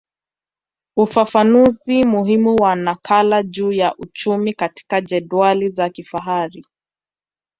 Ufafanuzi muhimu wa nakala juu ya uchumi katika jedwali za kifahari